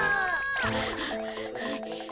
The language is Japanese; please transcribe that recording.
はあはあ。